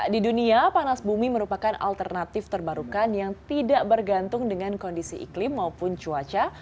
di dunia panas bumi merupakan alternatif terbarukan yang tidak bergantung dengan kondisi iklim maupun cuaca